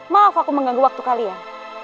maaf aku mengganggu waktu kalian